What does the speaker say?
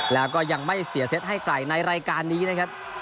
แล้วก็ยังไม่เสียเซตให้ใครในรายการนี้นะครับ